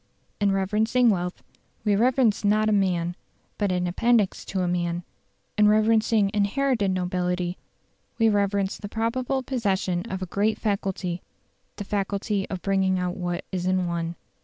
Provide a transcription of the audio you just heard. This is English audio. In reverencing wealth we reverence not a man, but an appendix to a man; in reverencing inherited nobility, we reverence the probable possession of a great faculty the faculty of bringing out what is in one.